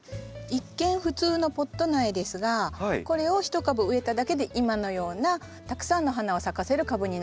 一見普通のポット苗ですがこれを１株植えただけで今のようなたくさんの花を咲かせる株になるんです。